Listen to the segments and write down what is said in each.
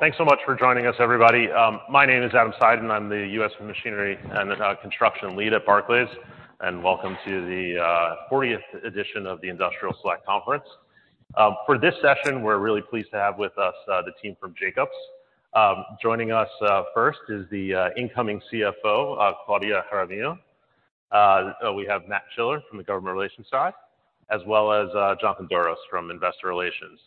Thanks so much for joining us, everybody. My name is Adam Seiden. I'm the U.S. machinery and construction lead at Barclays. Welcome to the 40th edition of the Industrial Select Conference. For this session, we're really pleased to have with us the team from Jacobs. Joining us first is the incoming CFO, Claudia Jaramillo. We have Matt Schiller from the government relations side, as well as John Pandl from Investor Relations.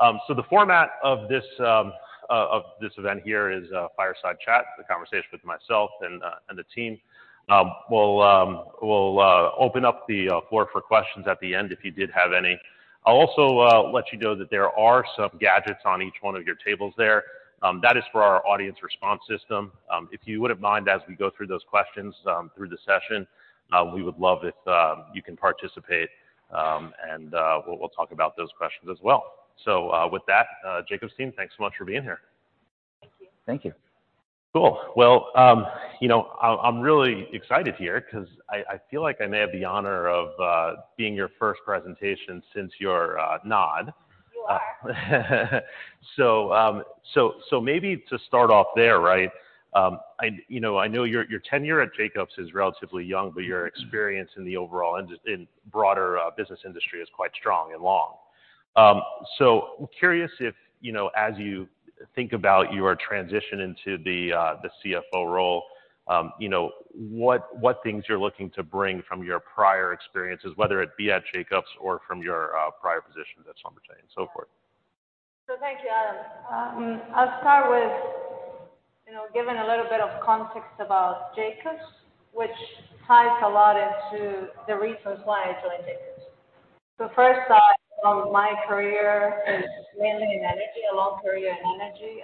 The format of this event here is a fireside chat, a conversation with myself and the team. We'll open up the floor for questions at the end if you did have any. I'll also let you know that there are some gadgets on each one of your tables there. That is for our audience response system. If you wouldn't mind, as we go through those questions, through the session, we would love if you can participate, and we'll talk about those questions as well. With that, Jacobs team, thanks so much for being here. Thank you. Thank you. Cool. Well, you know, I'm really excited here 'cause I feel like I may have the honor of being your first presentation since your nod. You are. Maybe to start off there, right, I, you know, I know your tenure at Jacobs is relatively young, but your experience in the overall in broader business industry is quite strong and long. I'm curious if, you know, as you think about your transition into the CFO role, you know, what things you're looking to bring from your prior experiences, whether it be at Jacobs or from your prior positions at Schlumberger and so forth. Thank you, Adam. I'll start with, you know, giving a little bit of context about Jacobs, which ties a lot into the reasons why I joined Jacobs. First off, my career is mainly in energy, a long career in energy.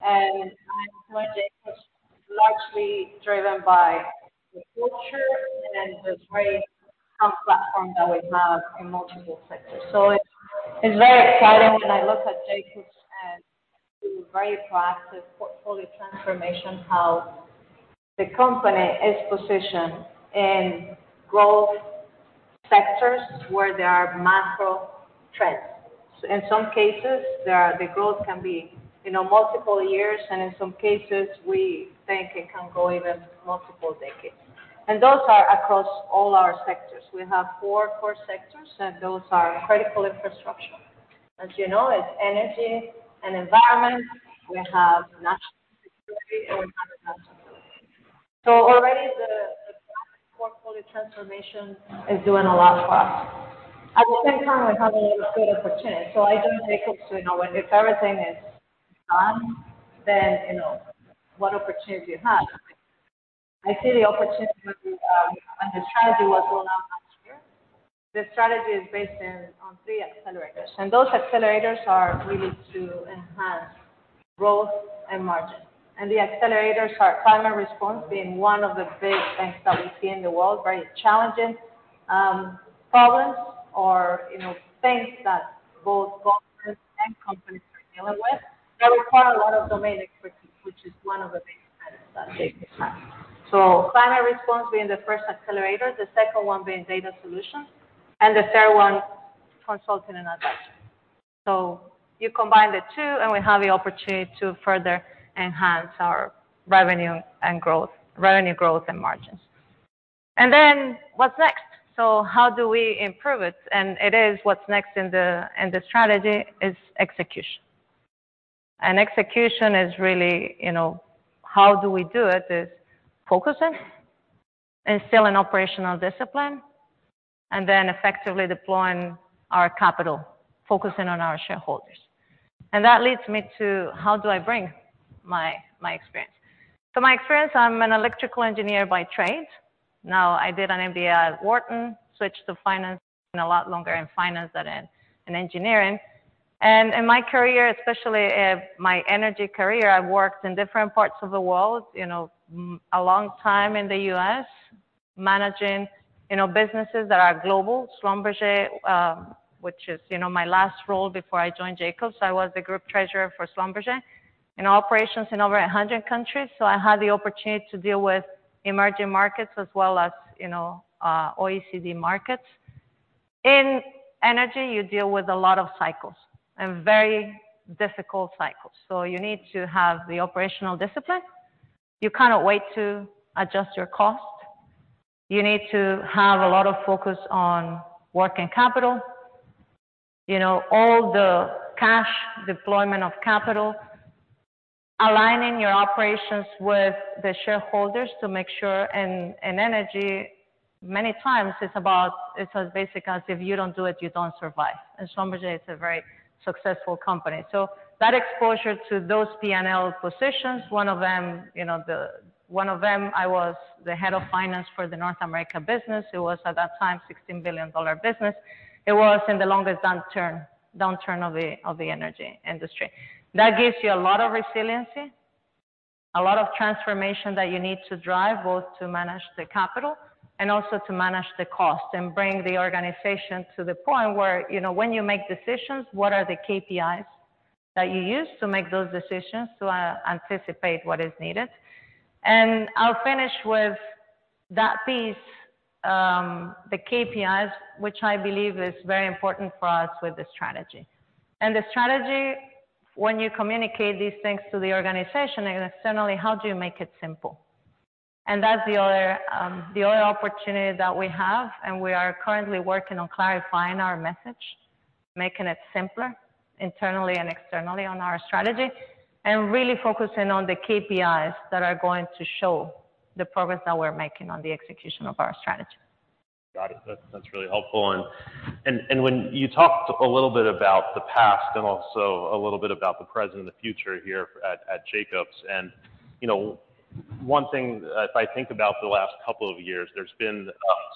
And I joined Jacobs largely driven by the culture and the great platform that we have in multiple sectors. It's very exciting when I look at Jacobs and through very proactive portfolio transformation, how the company is positioned in growth sectors where there are macro trends. In some cases, the growth can be, you know, multiple years, and in some cases, we think it can go even multiple decades. Those are across all our sectors. We have four core sectors, and those are critical infrastructure. As you know, it's energy and environment. We have national security and water sustainability. Already the portfolio transformation is doing a lot for us. At the same time, we have a lot of good opportunities, so I joined Jacobs, you know, if everything is done, then you know what opportunities you have. I see the opportunity when the strategy was rolled out last year. The strategy is based on three accelerators. Those accelerators are really to enhance growth and margins. The accelerators are climate response being one of the big things that we see in the world, very challenging, problems or, you know, things that both governments and companies are dealing with that require a lot of domain expertise, which is one of the big strengths that Jacobs has. Climate response being the first accelerator, the second one being data solutions, and the third one consulting and advice. You combine the two, and we have the opportunity to further enhance our revenue and growth, revenue growth and margins. What's next? How do we improve it? It is what's next in the strategy is execution. Execution is really, you know, how do we do it is focusing, instilling operational discipline, and then effectively deploying our capital, focusing on our shareholders. That leads me to how do I bring my experience. My experience, I'm an electrical engineer by trade. Now, I did an MBA at Wharton, switched to finance. Been a lot longer in finance than in engineering. In my career, especially in my energy career, I've worked in different parts of the world, you know, a long time in the U.S., managing, you know, businesses that are global. Schlumberger, which is, you know, my last role before I joined Jacobs. I was the group treasurer for Schlumberger in operations in over 100 countries. I had the opportunity to deal with emerging markets as well as, you know, OECD markets. In energy, you deal with a lot of cycles and very difficult cycles. You need to have the operational discipline. You cannot wait to adjust your cost. You need to have a lot of focus on working capital, you know, all the cash deployment of capital, aligning your operations with the shareholders to make sure... In, in energy, many times it's about, it's as basic as if you don't do it, you don't survive. Schlumberger is a very successful company. That exposure to those P&L positions, one of them, you know, one of them, I was the head of finance for the North America business. It was, at that time, $16 billion business. It was in the longest downturn of the energy industry. That gives you a lot of resiliency, a lot of transformation that you need to drive, both to manage the capital and also to manage the cost and bring the organization to the point where, you know, when you make decisions, what are the KPIs that you use to make those decisions to anticipate what is needed? I'll finish with that piece, the KPIs, which I believe is very important for us with the strategy. The strategy, when you communicate these things to the organization externally, how do you make it simple? That's the other, the other opportunity that we have, and we are currently working on clarifying our message, making it simpler internally and externally on our strategy, and really focusing on the KPIs that are going to show the progress that we're making on the execution of our strategy. Got it. That's really helpful. When you talked a little bit about the past and also a little bit about the present and the future here at Jacobs. You know, one thing as I think about the last couple of years, there's been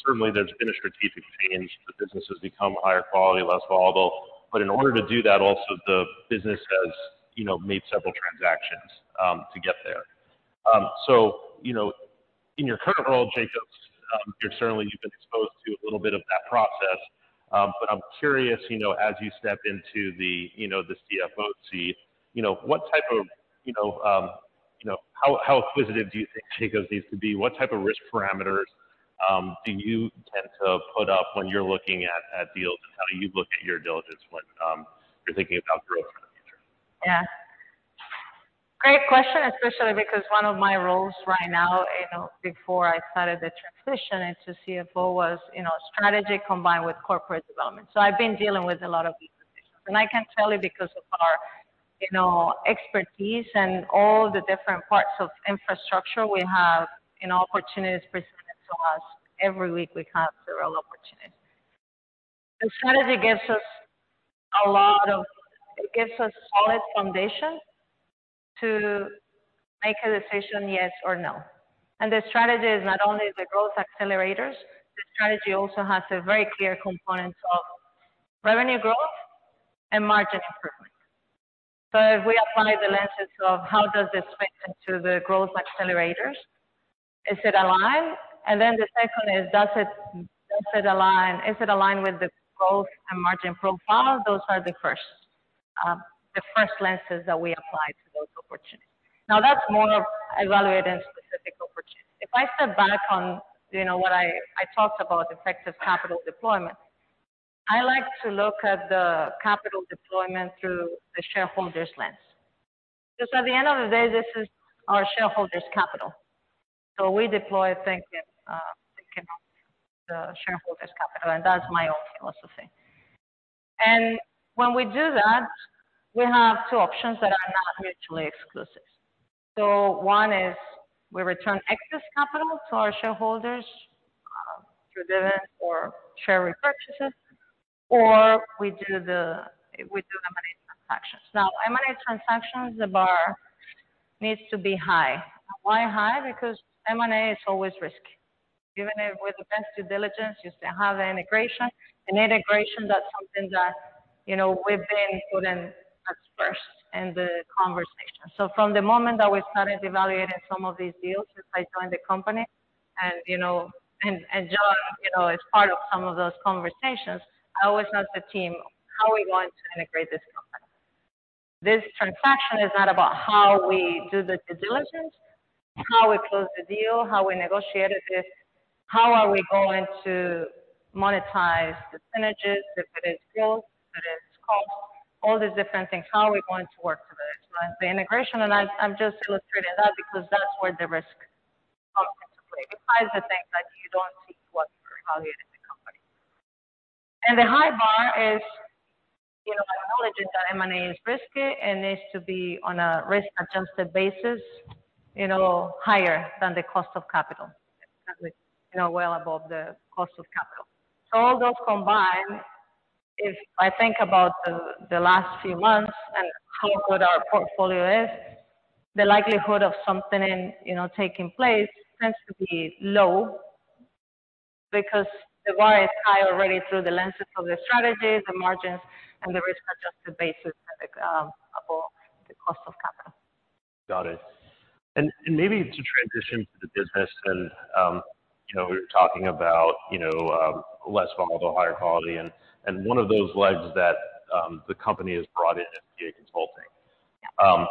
certainly a strategic change. The business has become higher quality, less volatile. In order to do that, also the business has, you know, made several transactions to get there. You know, in your current role at Jacobs, you're certainly you've been exposed to a little bit of that process. I'm curious, you know, as you step into the, you know, the CFO seat, what type of, you know, how inquisitive do you think Jacobs needs to be? What type of risk parameters do you tend to put up when you're looking at deals, and how do you look at your diligence when you're thinking about growth in the future? Yeah. Great question, especially because one of my roles right now, you know, before I started the transition into CFO, was, you know, strategy combined with corporate development. I've been dealing with a lot of these positions. I can tell you because of our, you know, expertise and all the different parts of infrastructure we have, you know, opportunities presented to us. Every week, we have several opportunities. The strategy gives us a lot. It gives us solid foundation to make a decision, yes or no. The strategy is not only the growth accelerators, the strategy also has a very clear component of revenue growth and margin improvement. If we apply the lenses of how does this fit into the growth accelerators, is it aligned? Then the second is, does it align with the growth and margin profile? Those are the first, the first lenses that we apply to those opportunities. That's more of evaluating specific opportunities. If I step back on, you know, what I talked about effective capital deployment. I like to look at the capital deployment through the shareholders' lens. Because at the end of the day, this is our shareholders' capital. We deploy it thinking of the shareholders' capital, and that's my own philosophy. When we do that, we have two options that are not mutually exclusive. One is we return excess capital to our shareholders, through dividends or share repurchases, or we do M&A transactions. M&A transactions, the bar needs to be high. Why high? Because M&A is always risky. Even with extensive diligence, you still have the integration. Integration, that's something that, you know, we've been putting as first in the conversation. From the moment that we started evaluating some of these deals, since I joined the company and, you know, and John, you know, is part of some of those conversations, I always ask the team, "How are we going to integrate this company?" This transaction is not about how we do the due diligence, how we close the deal, how we negotiate it. It's how are we going to monetize the synergies, if it is growth, if it is cost, all these different things. How are we going to work through this? The integration, and I'm just illustrating that because that's where the risk comes into play. It hides the things that you don't see when you're evaluating the company. The high bar is, you know, acknowledging that M&A is risky and needs to be on a risk-adjusted basis, you know, higher than the cost of capital. It's got to be, you know, well above the cost of capital. All those combined, if I think about the last few months and how good our portfolio is, the likelihood of something in, you know, taking place tends to be low because the bar is high already through the lenses of the strategy, the margins, and the risk-adjusted basis that above the cost of capital. Got it. Maybe to transition to the business and, you know, we were talking about, you know, less volatile, higher quality, and one of those legs that the company has brought in is PA Consulting. Yeah.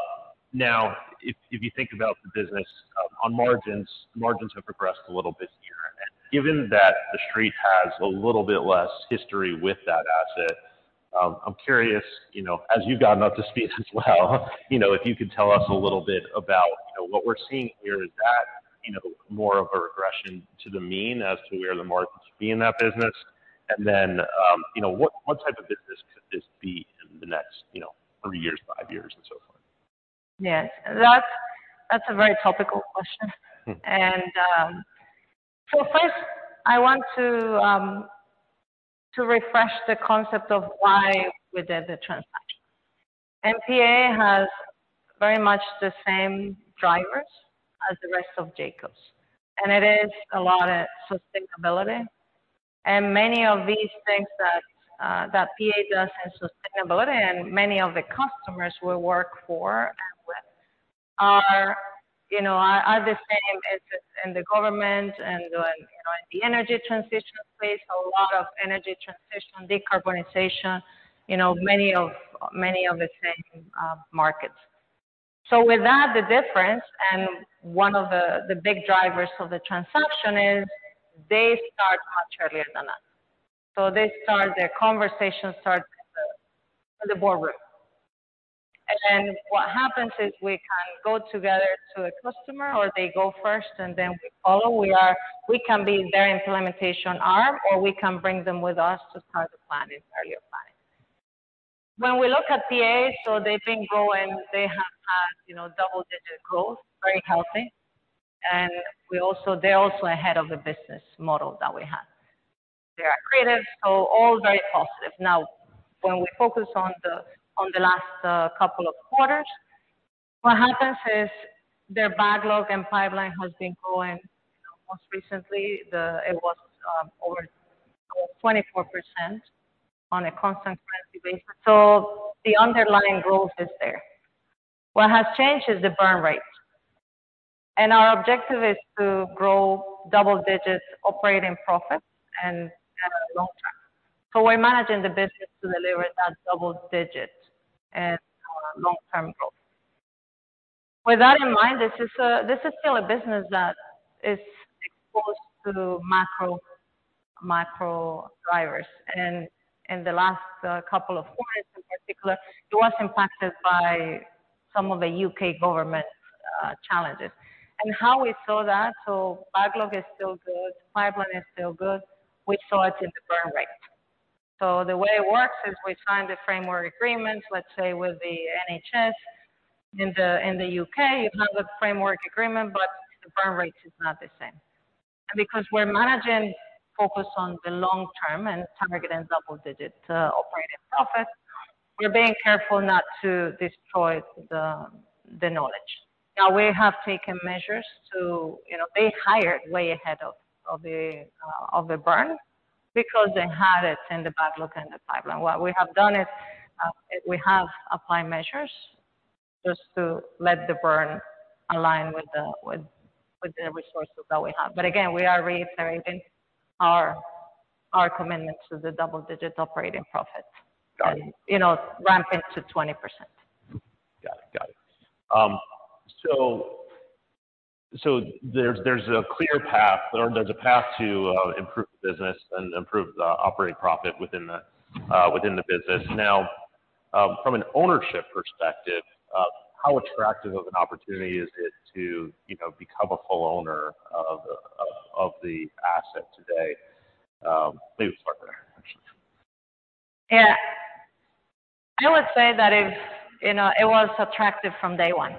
Now if you think about the business on margins have progressed a little this year. Given that the street has a little bit less history with that asset, I'm curious, you know, as you've gotten up to speed as well, you know, if you could tell us a little bit about, you know, what we're seeing here. Is that, you know, more of a regression to the mean as to where the margins should be in that business? Then, you know, what type of business could this be in the next, you know, three years, five years and so forth? Yes. That's a very topical question. First I want to refresh the concept of why we did the transaction. PA has very much the same drivers as the rest of Jacobs, and it is a lot of sustainability. Many of these things that PA does in sustainability and many of the customers we work for and with are, you know, are the same interests in the government and, you know, in the energy transition space. A lot of energy transition, decarbonization, you know, many of the same markets. With that, the difference and one of the big drivers of the transaction is they start much earlier than us. Their conversation starts in the boardroom. What happens is we can go together to a customer or they go first and then we follow. We can be their implementation arm or we can bring them with us to start the planning, earlier planning. When we look at I&AF, they've been growing. They have had, you know, double-digit growth, very healthy. They're also ahead of the business model that we have. They are accretive, all very positive. When we focus on the last couple of quarters, what happens is their backlog and pipeline has been growing. You know, most recently, it was over 24% on a constant currency basis. The underlying growth is there. What has changed is the burn rate. Our objective is to grow double digits operating profits and long term. We're managing the business to deliver that double-digit and long-term growth. With that in mind, this is still a business that is exposed to macro drivers. In the last couple of quarters in particular, it was impacted by some of the U.K. government challenges. How we saw that. Backlog is still good, pipeline is still good. We saw it in the burn rate. The way it works is we sign the framework agreements, let's say with the NHS in the U.K. You have the framework agreement, but the burn rate is not the same. Because we're managing focus on the long term and targeting double-digit operating profit, we're being careful not to destroy the knowledge. We have taken measures to, you know, they hired way ahead of the burn because they had it in the backlog and the pipeline. What we have done is, we have applied measures just to let the burn align with the resources that we have. Again, we are reiterating our commitment to the double-digit operating profit and, you know, ramp it to 20%. Got it. There's a clear path or there's a path to improve the business and improve the operating profit within the business. Now, from an ownership perspective, how attractive of an opportunity is it to, you know, become a full owner of the asset today? Maybe we start there. I would say that it's, you know, it was attractive from day one.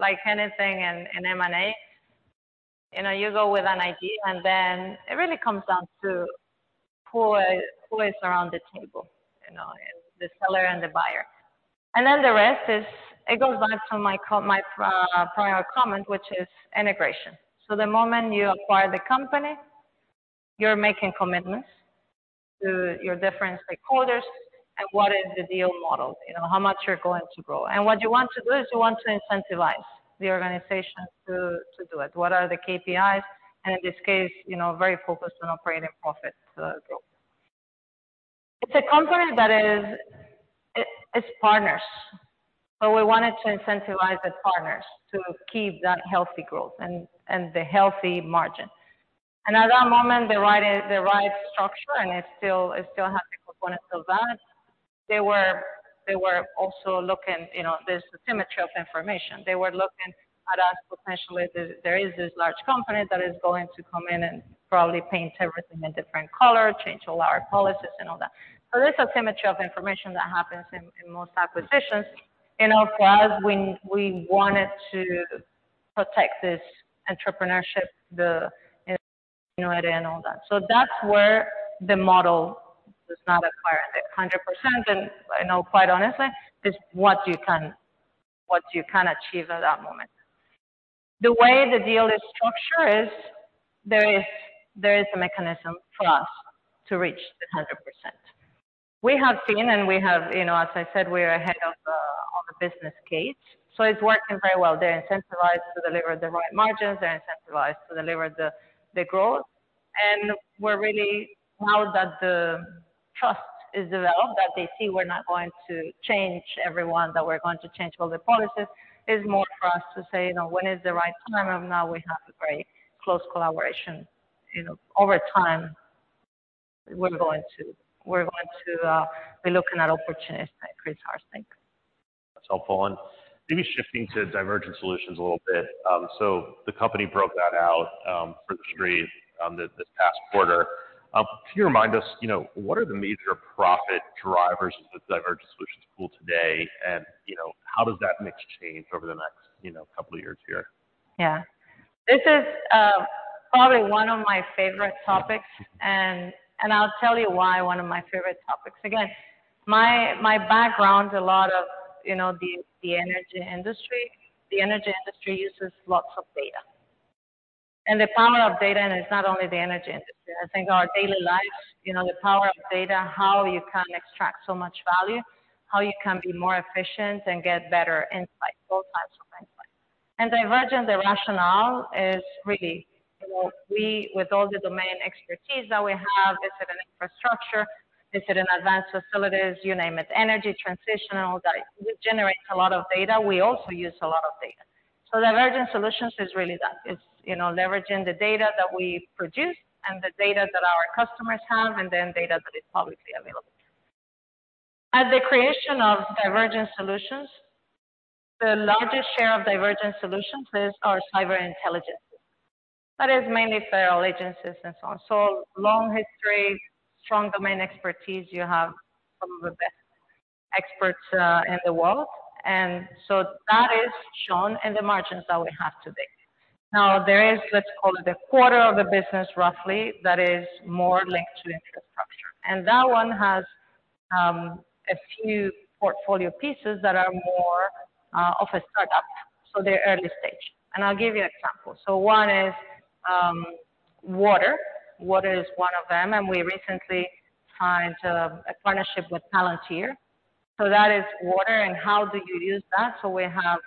Like anything in M&A, you know, you go with an idea and then it really comes down to who is around the table, you know, the seller and the buyer. The rest is it goes back to my prior comment, which is integration. The moment you acquire the company, you're making commitments to your different stakeholders and what is the deal model. You know, how much you're going to grow. What you want to do is you want to incentivize the organization to do it. What are the KPIs? In this case, you know, very focused on operating profit growth. It's a company that is... It's partners. We wanted to incentivize the partners to keep that healthy growth and the healthy margin. At that moment, the right is the right structure, and it still has the components of that. They were also looking, you know, there's a symmetry of information. They were looking at us potentially. There is this large company that is going to come in and probably paint everything a different color, change all our policies and all that. There's a symmetry of information that happens in most acquisitions. In our case, we wanted to protect this entrepreneurship, the ingenuity and all that. That's where the model does not acquire 100%. I know quite honestly, it's what you can achieve at that moment. The way the deal is structured is there is a mechanism for us to reach the 100%. We have seen and we have, you know, as I said, we're ahead of the business case, so it's working very well. They're incentivized to deliver the right margins. They're incentivized to deliver the growth. We're really now that the trust is developed, that they see we're not going to change everyone, that we're going to change all the policies, is more for us to say, you know, when is the right time? Now we have a very close collaboration. You know, over time we're going to be looking at opportunities to increase our stake. That's helpful. Maybe shifting to Divergent Solutions a little bit. The company broke that out for the street this past quarter. Can you remind us, you know, what are the major profit drivers of the Divergent Solutions pool today? You know, how does that mix change over the next, you know, couple of years here? Yeah. This is probably one of my favorite topics, and I'll tell you why one of my favorite topics. Again, my background, a lot of, you know, the energy industry. The energy industry uses lots of data. The power of data, and it's not only the energy industry, I think our daily lives, you know, the power of data, how you can extract so much value, how you can be more efficient and get better insights, all types of insights. Divergent, the rationale is really, you know, we with all the domain expertise that we have, is it an infrastructure? Is it an advanced facilities? You name it, energy transitional that generates a lot of data. We also use a lot of data. Divergent Solutions is really that. It's, you know, leveraging the data that we produce and the data that our customers have, and then data that is publicly available. At the creation of Divergent Solutions, the largest share of Divergent Solutions is our cyber intelligence. That is mainly federal agencies and so on. Long history, strong domain expertise. You have some of the best experts in the world, and so that is shown in the margins that we have today. There is, let's call it a quarter of the business, roughly, that is more linked to infrastructure. That one has a few portfolio pieces that are more of a startup. They're early stage. I'll give you an example. One is water. Water is one of them, and we recently signed a partnership with Palantir. That is water and how do you use that? We have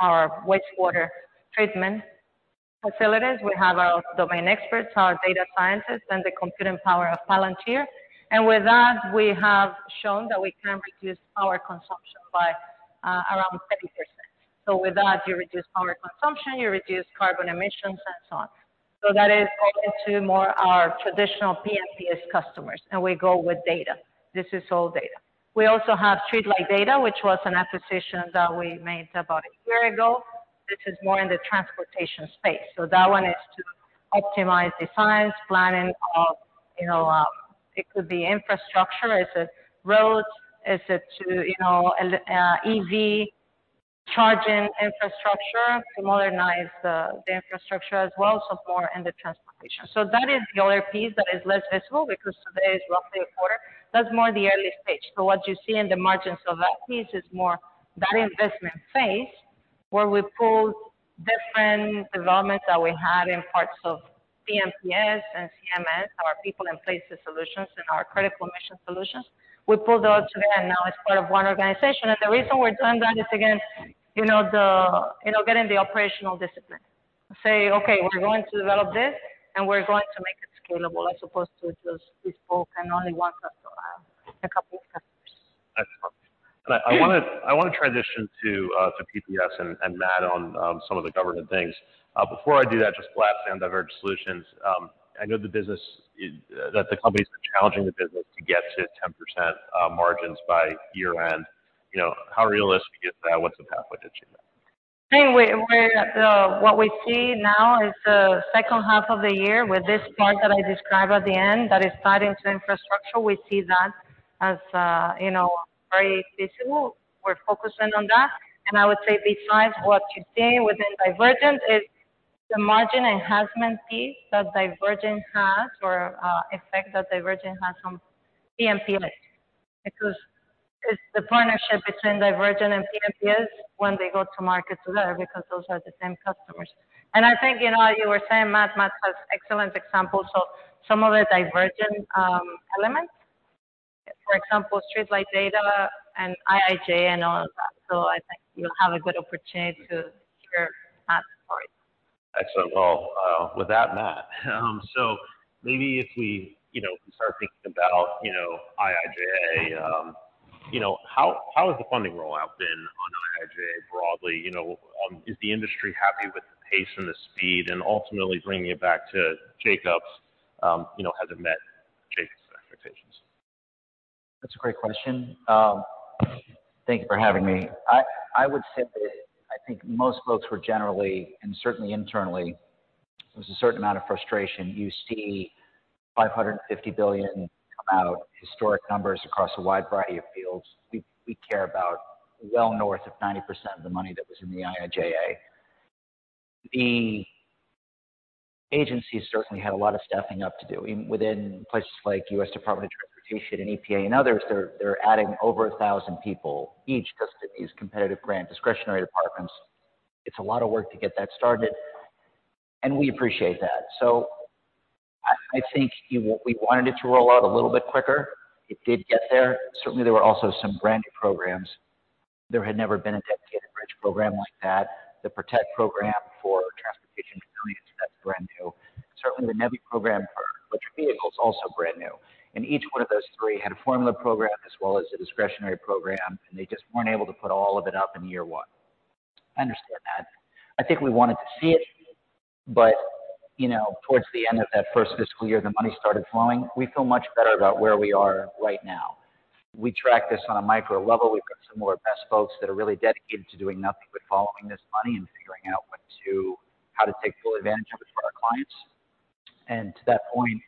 our wastewater treatment facilities. We have our domain experts, our data scientists, and the computing power of Palantir. With that, we have shown that we can reduce power consumption by around 30%. With that, you reduce power consumption, you reduce carbon emissions, and so on. That is more into more our traditional P&PS customers, and we go with data. This is all data. We also have StreetLight Data, which was an acquisition that we made about a year ago, which is more in the transportation space. That one is to optimize designs, planning of, you know, it could be infrastructure. Is it roads? Is it to, you know, EV charging infrastructure to modernize the infrastructure as well, so more in the transportation. That is the other piece that is less visible because today is roughly a quarter. That's more the early stage. What you see in the margins of that piece is more that investment phase where we pull different developments that we had in parts of P&PS and CMS, our People & Places Solutions and our Critical Mission Solutions. We pulled those together, and now it's part of one organization. The reason we're doing that is, again, you know, getting the operational discipline. Say, okay, we're going to develop this, and we're going to make it scalable as opposed to just this spoke and only one customer, a couple customers. I see. I wanna transition to PPS and Matt on some of the government things. Before I do that, just last thing on Divergent Solutions. I know the business that the company's been challenging the business to get to 10% margins by year-end. You know, how realistic is that? What's the pathway to achieve that? I think we're, what we see now is the second half of the year with this part that I described at the end that is tied into infrastructure. We see that as, you know, very visible. We're focusing on that. I would say besides what you're seeing within Divergent is the margin enhancement piece that Divergent has or effect that Divergent has on P&PS. Because it's the partnership between Divergent and P&PS when they go to market together because those are the same customers. I think, you know, you were saying, Matt has excellent examples of some of the Divergent elements. For example, StreetLight Data and IIJA and all of that. I think you'll have a good opportunity to hear Matt's point. Excellent. Well, with that, Matt, maybe if we, you know, start thinking about, you know, IIJA, you know, how has the funding rollout been on IIJA broadly? You know, is the industry happy with the pace and the speed and ultimately bringing it back to Jacobs, you know, has it met Jacobs' expectations? That's a great question. Thank you for having me. I would say that I think most folks were generally, and certainly internally, there's a certain amount of frustration. You see $550 billion come out, historic numbers across a wide variety of fields. We care about well north of 90% of the money that was in the IIJA. The agency certainly had a lot of staffing up to do. Within places like US Department of Transportation and EPA and others, they're adding over 1,000 people each just to these competitive grant discretionary departments. It's a lot of work to get that started, and we appreciate that. I think we wanted it to roll out a little bit quicker. It did get there. Certainly, there were also some brand-new programs. There had never been a dedicated bridge program like that. The PROTECT Program for transportation and affiliates, that's brand new. Certainly, the NEVI program for electric vehicles, also brand new. Each one of those three had a formula program as well as a discretionary program, and they just weren't able to put all of it up in year one. I understand that. I think we wanted to see it, but, you know, towards the end of that first fiscal year, the money started flowing. We feel much better about where we are right now. We track this on a micro level. We've got some of our best folks that are really dedicated to doing nothing but following this money and figuring out how to take full advantage of it for our clients. To that point,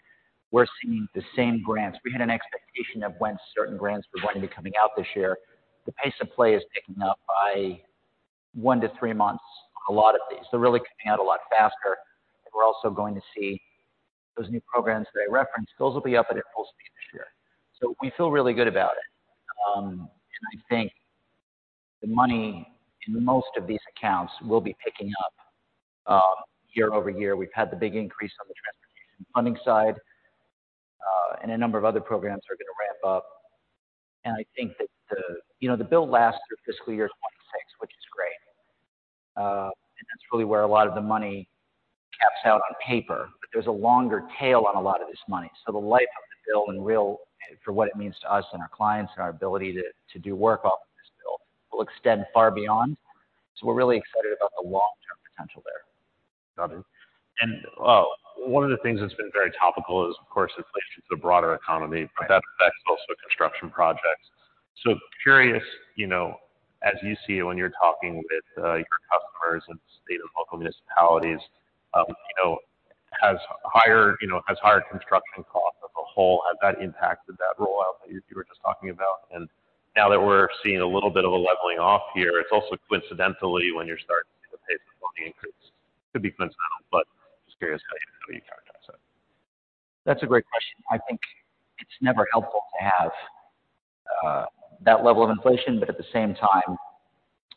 we're seeing the same grants. We had an expectation of when certain grants were going to be coming out this year. The pace of play is picking up by 1-3 months on a lot of these. They're really coming out a lot faster. We're also going to see those new programs that I referenced, those will be up at their full speed this year. We feel really good about it. I think the money in most of these accounts will be picking up year-over-year. We've had the big increase on the transportation funding side. A number of other programs are going to ramp up. I think that the, you know, the bill lasts through fiscal year 2026, which is great. That's really where a lot of the money caps out on paper. There's a longer tail on a lot of this money. The life of the bill and real, for what it means to us and our clients and our ability to do work off of this bill will extend far beyond. We're really excited about the long-term potential there. Got it. One of the things that's been very topical is, of course, inflation to the broader economy. Right. That affects also construction projects. Curious, you know, as you see when you're talking with your customers and state and local municipalities, you know, has higher construction costs as a whole. Has that impacted that rollout that you were just talking about? Now that we're seeing a little bit of a leveling off here, it's also coincidentally when you're starting to see the pace of funding increase. Could be coincidental, but just curious how you characterize it. That's a great question. I think it's never helpful to have that level of inflation, but at the same time,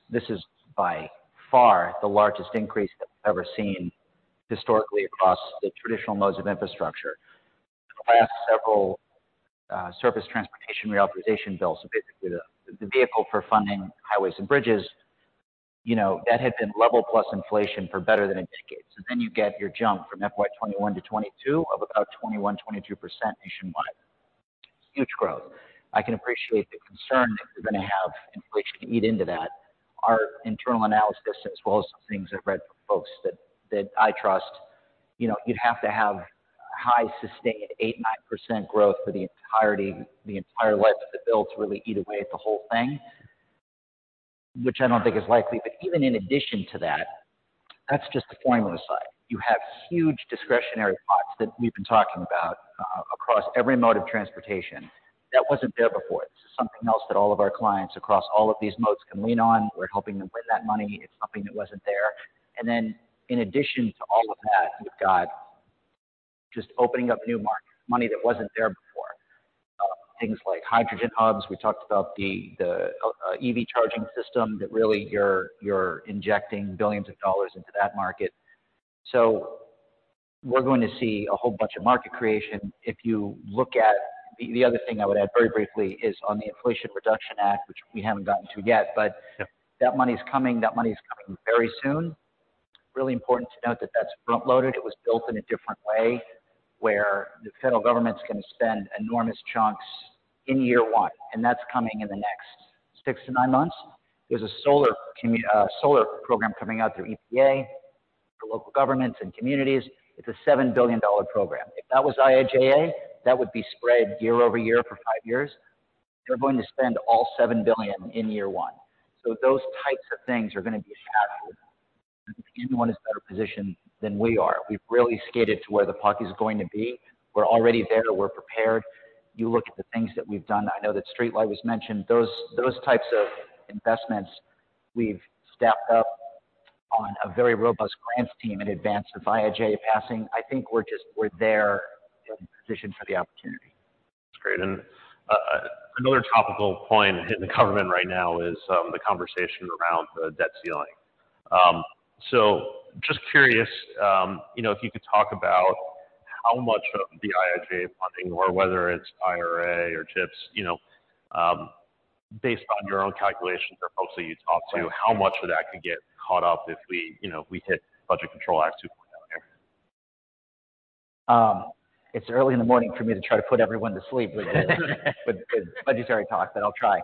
this is by far the largest increase that we've ever seen historically across the traditional modes of infrastructure. The last several surface transportation reauthorization bills, so basically the vehicle for funding highways and bridges, you know, that had been level plus inflation for better than a decade. You get your jump from FY 2021 to 2022 of about 21%-22% nationwide. Huge growth. I can appreciate the concern that you're going to have inflation eat into that. Our internal analysis, as well as some things I've read from folks that I trust, you know, you'd have to have high sustained 8%, 9% growth for the entirety, the entire life of the bill to really eat away at the whole thing, which I don't think is likely. Even in addition to that's just the formula side. You have huge discretionary pots that we've been talking about across every mode of transportation. That wasn't there before. This is something else that all of our clients across all of these modes can lean on. We're helping them win that money. It's something that wasn't there. Then in addition to all of that, you've got just opening up new markets, money that wasn't there before. things like hydrogen hubs. We talked about the EV charging system that really you're injecting $ billions into that market. We're going to see a whole bunch of market creation. If you look at. The other thing I would add very briefly is on the Inflation Reduction Act, which we haven't gotten to yet. Yeah. that money is coming. That money is coming very soon. Really important to note that that's front-loaded. It was built in a different way, where the federal government's going to spend enormous chunks in year one, and that's coming in the next six to nine months. There's a solar program coming out through EPA for local governments and communities. It's a $7 billion program. If that was IIJA, that would be spread year over year for five years. They're going to spend all $7 billion in year one. Those types of things are going to be a shadow. I don't think anyone is better positioned than we are. We've really skated to where the puck is going to be. We're already there. We're prepared. You look at the things that we've done. I know that StreetLight was mentioned. Those types of investments, we've staffed up on a very robust grants team in advance of IIJA passing. I think we're just, we're there in position for the opportunity. That's great. Another topical point hitting the government right now is the conversation around the debt ceiling. Just curious, you know, if you could talk about how much of the IIJA funding or whether it's IRA or CHIPS, you know, based on your own calculations or folks that you talk to, how much of that could get caught up if we, you know, if we hit Budget Control Act 2.0 here? It's early in the morning for me to try to put everyone to sleep with this. With budgetary talk, but I'll try.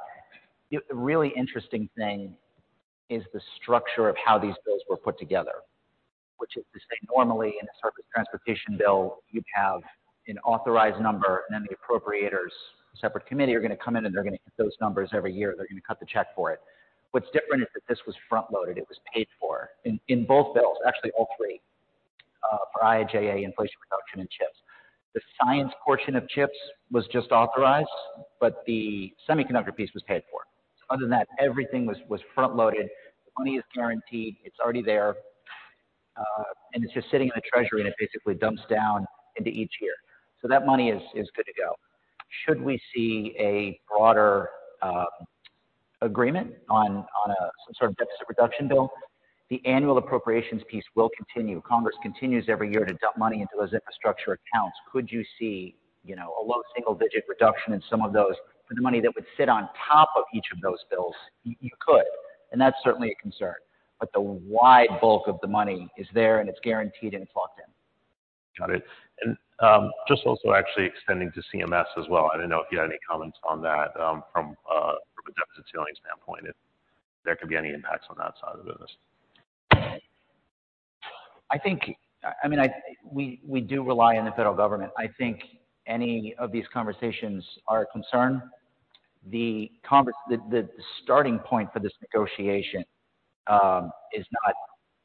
The really interesting thing is the structure of how these bills were put together, which is to say normally in a surface transportation bill, you'd have an authorized number, and then the appropriators, a separate committee, are going to come in, and they're going to hit those numbers every year. They're going to cut the check for it. What's different is that this was front-loaded. It was paid for in both bills, actually all three for IIJA, Inflation Reduction, and CHIPS. The science portion of CHIPS was just authorized, but the semiconductor piece was paid for. Other than that, everything was front-loaded. The money is guaranteed. It's already there, and it's just sitting in the treasury, and it basically dumps down into each year. That money is good to go. Should we see a broader agreement on some sort of deficit reduction bill? The annual appropriations piece will continue. Congress continues every year to dump money into those infrastructure accounts. Could you see, you know, a low single-digit reduction in some of those for the money that would sit on top of each of those bills? You could, and that's certainly a concern. The wide bulk of the money is there, and it's guaranteed, and it's locked in. Got it. Just also actually extending to CMS as well. I didn't know if you had any comments on that from a deficit ceiling standpoint, if there could be any impacts on that side of the business. I mean, we do rely on the federal government. I think any of these conversations are a concern. The starting point for this negotiation is not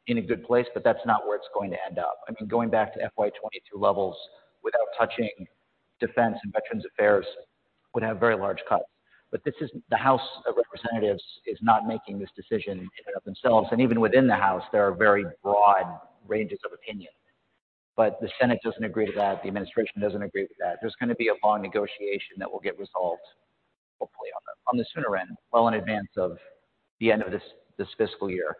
in a good place, That's not where it's going to end up. I mean, going back to FY 22 levels without touching defense and veterans affairs would have very large cuts. The House of Representatives is not making this decision in and of themselves. Even within the House, there are very broad ranges of opinion. The Senate doesn't agree to that. The administration doesn't agree with that. There's going to be a long negotiation that will get resolved. Hopefully on the sooner end, well in advance of the end of this fiscal year.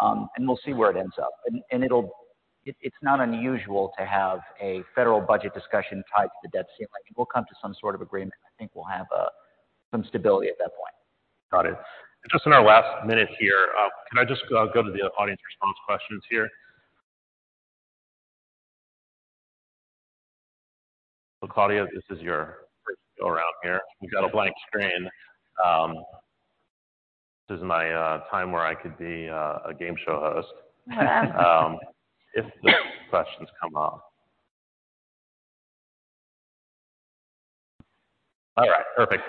And we'll see where it ends up. And it'll. It's not unusual to have a federal budget discussion tied to the debt ceiling. I think we'll come to some sort of agreement. I think we'll have some stability at that point. Got it. Just in our last minute here, can I just go to the audience response questions here? Claudia, this is your first go around here. We've got a blank screen. This is my time where I could be a game show host. If the questions come up. All right, perfect.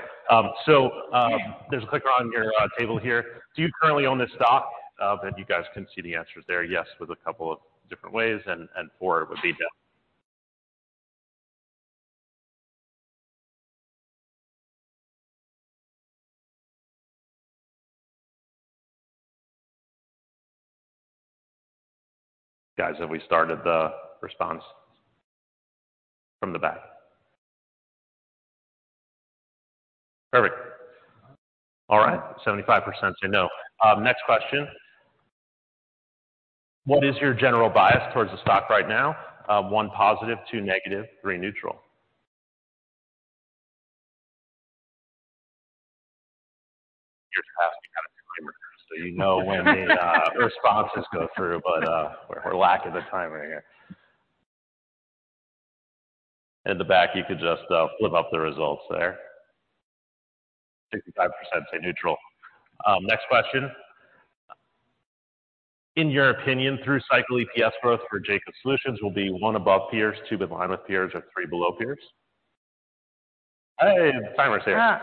There's a clicker on your table here. Do you currently own this stock? You guys can see the answers there. Yes, with a couple of different ways, and four would be no. Guys, have we started the response from the back? Perfect. All right. 75% say no. Next question: What is your general bias towards the stock right now? one positive, two negative, three neutral. Years passed, we got a timer here, you know when the responses go through. We're lack of a timer here. In the back, you could just, flip up the results there. 65% say neutral. Next question: In your opinion, through cycle EPS growth for Jacobs Solutions will be, one above peers, two in line with peers, or three below peers. Hey, the timer's here.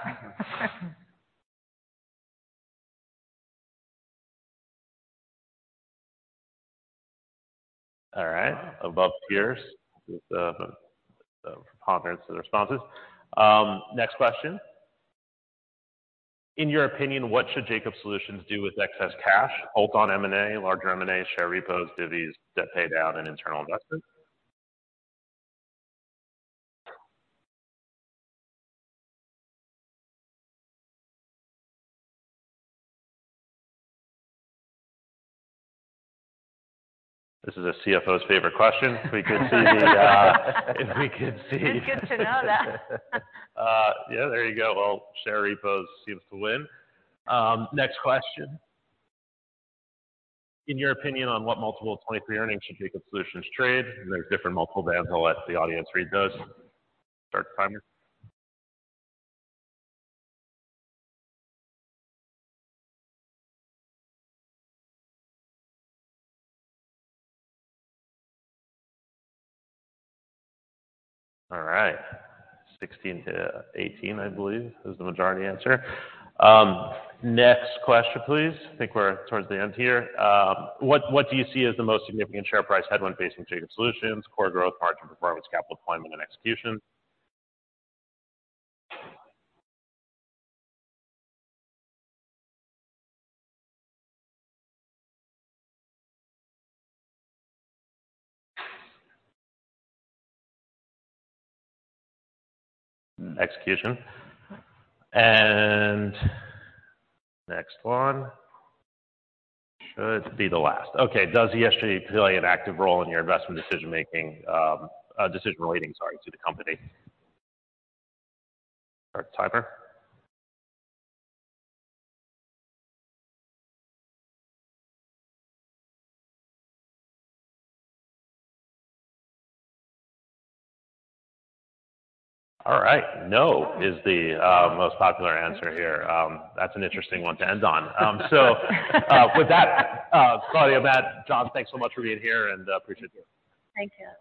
All right. Above peers with the preponderance of the responses. Next question: In your opinion, what should Jacobs Solutions do with excess cash? Bolt-on M&A, larger M&A, share repos, divties, debt paid down, and internal investment. This is a CFO's favorite question. It's good to know that. Yeah, there you go. Well, share repos seems to win. Next question: In your opinion, on what multiple 2023 earnings should Jacobs Solutions trade? There's different multiple bands. I'll let the audience read those. Start the timer. All right. 16-18, I believe, is the majority answer. Next question, please. I think we're towards the end here. What do you see as the most significant share price headwind facing Jacobs Solutions: core growth, margin performance, capital deployment, and execution? Execution. Next one should be the last. Okay. Does ESG play an active role in your investment decision-making, decision relating, sorry, to the company? Start the timer. All right. No is the most popular answer here. That's an interesting one to end on. With that, Claudia, Matt, John, thanks so much for being here, and appreciate you. Thank you.